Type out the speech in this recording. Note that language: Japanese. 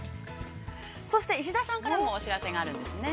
◆そして、石田さんからもお知らせです。